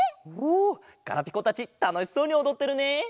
ほうガラピコたちたのしそうにおどってるね！